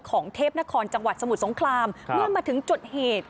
เทพนครจังหวัดสมุทรสงครามเมื่อมาถึงจุดเหตุ